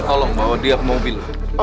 tolong bawa dia ke mobil